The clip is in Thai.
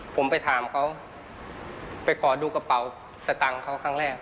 ผมไปถามเขาไปขอดูกระเป๋าสตังค์เขาครั้งแรก